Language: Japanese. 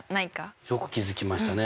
よく気付きましたね。